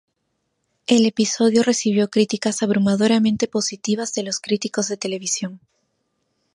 El episodio recibió críticas abrumadoramente positivas de los críticos de televisión.